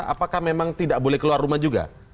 apakah memang tidak boleh keluar rumah juga